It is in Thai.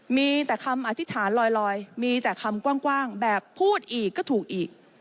มีแต่คำอธิษฐานลอยมีแต่คำกว้างแบบพูดอีกก็ถูกอีก